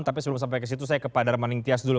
tapi sebelum sampai ke situ saya ke pak darmaning tias dulu